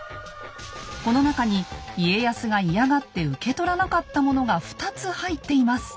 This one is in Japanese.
この中に家康が嫌がって受け取らなかったモノが２つ入っています。